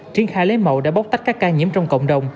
triển khai lấy mẫu đã bóc tách các ca nhiễm trong cộng đồng